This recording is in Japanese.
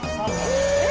え？